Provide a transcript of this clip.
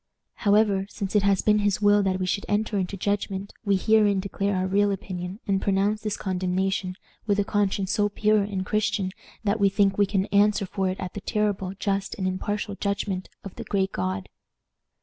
However, since it has been his will that we should enter into judgment, we herein declare our real opinion, and pronounce this condemnation, with a conscience so pure and Christian that we think we can answer for it at the terrible, just, and impartial judgment of the Great God.